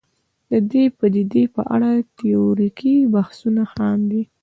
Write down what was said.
د دې پدیدې په اړه تیوریکي بحثونه خام دي